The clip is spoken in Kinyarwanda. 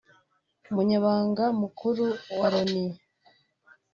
Umunyamabanga mukuru wa Loni